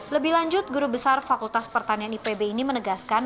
lebih lanjut guru besar fakultas pertanian ipb ini menegaskan